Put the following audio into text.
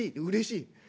「うれしい？